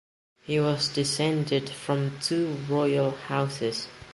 He was descended from two royal houses.